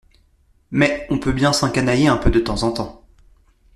mais on peut bien s’encanailler un peu de temps en temps.